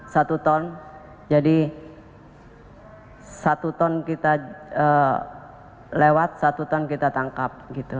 satu ton jadi satu ton kita lewat satu ton kita tangkap gitu